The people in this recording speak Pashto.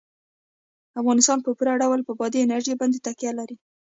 افغانستان په پوره ډول په بادي انرژي باندې تکیه لري.